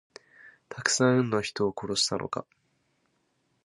たくさんの人を殺したのか。